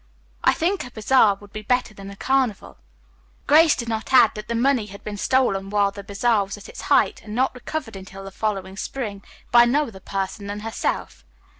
I think a bazaar would be better than a carnival." Grace did not add that the money had been stolen while the bazaar was at its height and not recovered until the following spring, by no other person than herself.